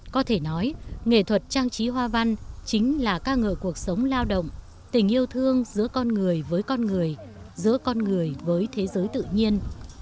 có thể nói nghệ thuật trang trí hoa văn chính là ca ngợi cuộc sống lao động tình yêu thương giữa con người với con người giữa con người với thế giới tự nhiên